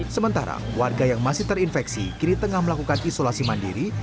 sementara warga yang masih terinfeksi kini tengah melakukan isolasi mandiri